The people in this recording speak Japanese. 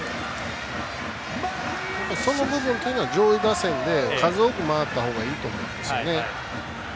その部分というのは上位打線で、数多く回った方がいいと思うんですよね。